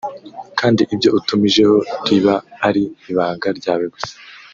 kandi ibyo utumijeho riba ari ibanga ryawe gusa